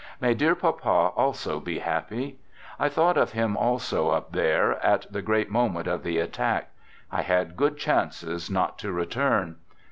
May dear Papa also be happy ! I thought of him also up there, at the great moment of the attack, I had good chances not to return.